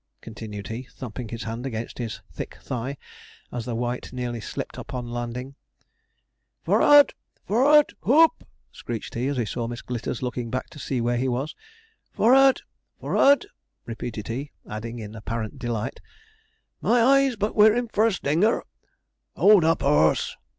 continued he, thumping his hand against his thick thigh, as the white nearly slipped upon landing. 'F o r r ard! for rard! hoop!' screeched he, as he saw Miss Glitters looking back to see where he was. 'F o r rard! for rard!' repeated he; adding, in apparent delight, 'My eyes, but we're in for a stinger! Hold up, horse!'